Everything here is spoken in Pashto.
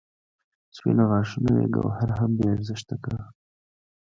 سپینو غاښونو یې ګوهر هم بې ارزښته کړ.